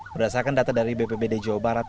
berdasarkan data dari bpbd jawa barat